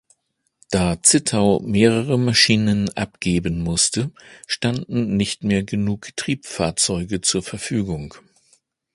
Da Zittau mehrere Maschinen abgeben musste, standen nicht mehr genug Triebfahrzeuge zur Verfügung.